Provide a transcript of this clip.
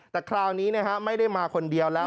แต่คราวนี้ไม่ได้มาคนเดียวแล้ว